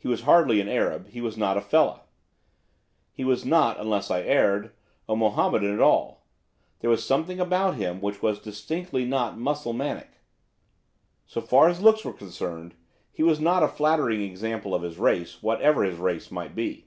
He was hardly an Arab, he was not a fellah, he was not, unless I erred, a Mohammedan at all. There was something about him which was distinctly not Mussulmanic. So far as looks were concerned, he was not a flattering example of his race, whatever his race might be.